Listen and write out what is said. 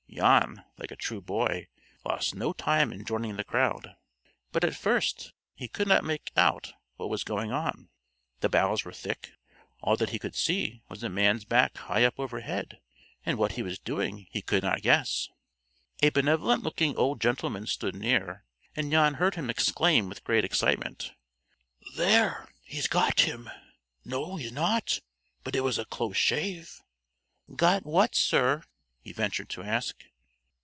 Jan, like a true boy, lost no time in joining the crowd, but at first he could not make out what was going on. The boughs were thick. All that he could see was the man's back high up overhead, and what he was doing he could not guess. A benevolent looking old gentleman stood near, and Jan heard him exclaim with great excitement: "There, he's got him! No, he's not; but it was a close shave!" "Got what, sir?" he ventured to ask.